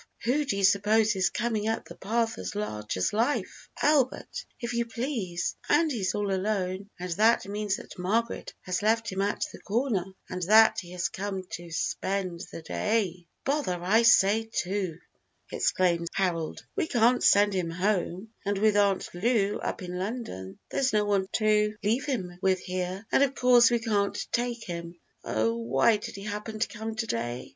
Who do you suppose is coming up the path as large as life? Albert, if you please, and he's all alone, and that means that Margaret has left him at the corner, and that he has come to spend the day." "Bother I say too," exclaims Harold; "we can't send him home, and with Aunt Lou up in London, there's no one to leave him with here, and of course we can't take him. Oh, why did he happen to come to day!"